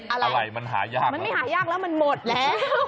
อะไรมันหายากมันไม่หายากแล้วมันหมดแล้ว